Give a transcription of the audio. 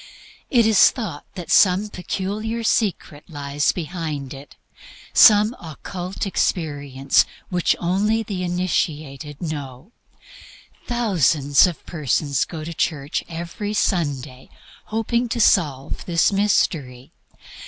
It is thought some peculiar secret lies behind it, some occult experience which only the initiated know. Thousands of persons go to church every Sunday hoping to solve this mystery.